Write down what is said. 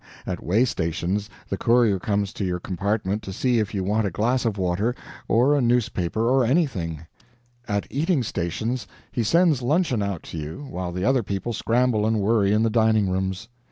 At way stations the courier comes to your compartment to see if you want a glass of water, or a newspaper, or anything; at eating stations he sends luncheon out to you, while the other people scramble and worry in the dining rooms.